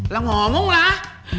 lah ngomong lah